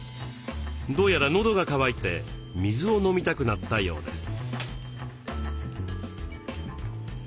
どうやら喉が渇いて水を飲みたくなったようです。